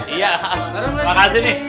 iya makasih nih